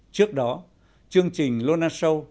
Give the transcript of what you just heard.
trước đó chương trình lona show